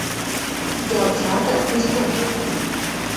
Йӓл сага тиштӓкок.